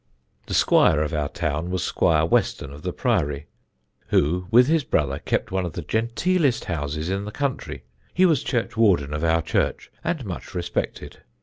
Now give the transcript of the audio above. "The squire of our town was SQUIRE WESTON of the Priory, who, with his brother, kept one of the genteelest houses in the country. He was churchwarden of our church, and much respected.